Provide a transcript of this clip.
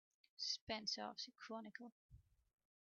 Spencer of the Chronicle.